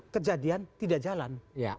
kejadian tidak jalan